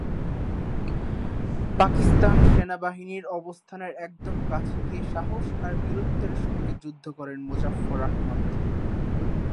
পাকিস্তান সেনাবাহিনীর অবস্থানের একদম কাছে গিয়ে সাহস আর বীরত্বের সঙ্গে যুদ্ধ করেন মোজাফফর আহমদ।